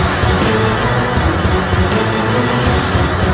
saya berharap mereka akan baik baik saja